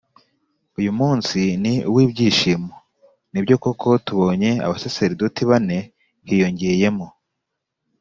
“uyu ni umunsi w’ibyishimo. nibyo koko! tubonye abasaserdoti bane (hiyongeyemo